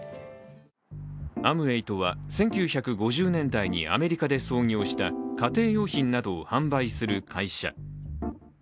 アムウェイとは、１９５０年代にアメリカで創業した家庭用品などを販売する会社。